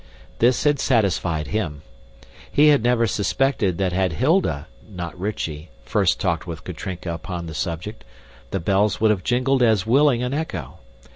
This had satisfied him. He never suspected that had Hilda, not Rychie, first talked with Katrinka upon the subject, the bells would have jingled as willing an echo.